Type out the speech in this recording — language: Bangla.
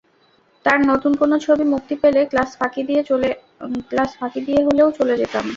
তাঁর নতুন কোনো ছবি মুক্তি পেলে ক্লাস ফাঁকি দিয়ে হলে চলে যেতাম।